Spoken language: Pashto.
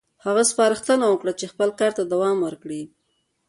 هغه سپارښتنه وکړه چې خپل کار ته دوام ورکړي.